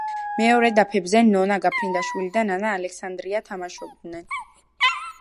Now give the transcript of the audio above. მეორე დაფებზე ნონა გაფრინდაშვილი და ნანა ალექსანდრია თამაშობდნენ.